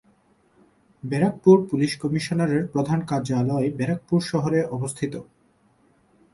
Barrackpore police কমিশনারের প্রধান কার্যালয় ব্যারাকপুর শহরে অবস্থিত।